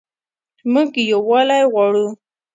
موږ یووالی غواړو